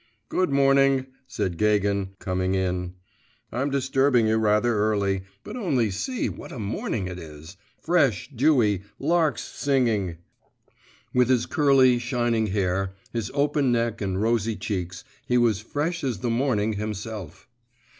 'Good morning,' said Gagin, coming in; 'I'm disturbing you rather early, but only see what a morning it is. Fresh, dewy, larks singing.…' With his curly, shining hair, his open neck and rosy cheeks, he was fresh as the morning himself.